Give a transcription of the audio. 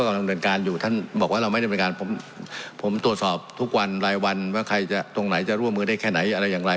กำลังเดินการอยู่ท่านบอกว่าเราไม่ได้บริการผมผมตรวจสอบทุกวันรายวันว่าใครจะตรงไหนจะร่วมมือได้แค่ไหนอะไรอย่างไร